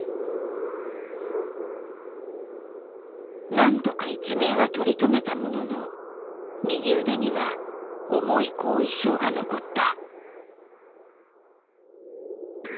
なんとか一命は取り留めたものの右腕には重い後遺症が残った。